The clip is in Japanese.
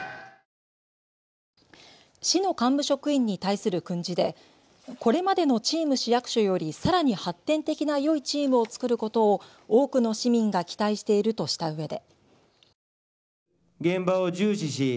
市の幹部職員に対する訓示でこれまでのチーム市役所よりさらに発展的なよいチームを作ることを多くの市民が期待しているとしたうえで。